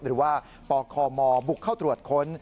หรือว่าปคมบุกเข้าตรวจค้น